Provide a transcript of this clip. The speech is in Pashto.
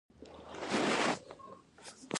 دا حق دی نه خیرات.